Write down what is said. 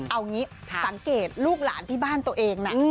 เอางี้สังเกตลูกหลานที่บ้านตัวเองนะ